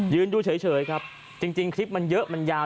ดูเฉยครับจริงคลิปมันเยอะมันยาว